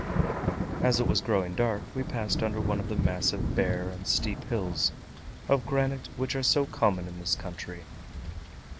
As it was growing dark we passed under one of the massive, bare, and steep hills of granite which are so common in this country.